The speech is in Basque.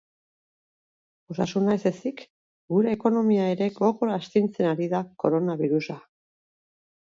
Osasuna ez ezik, gure ekonomia ere gogor astintzen ari da koronabirusa.